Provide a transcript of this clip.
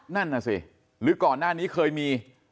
นั่นน่ะสิหรือก่อนหน้านี้เคยมี